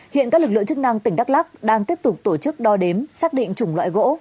hiện các lực lượng chức năng tỉnh đắk lắc đang tiếp tục tổ chức đo đếm xác định chủng loại gỗ